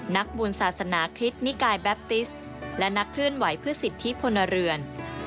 นักบุญศาสนาคริสต์นิกายแบปติสและนักเคลื่อนไหวเพื่อสิทธิพลเรือน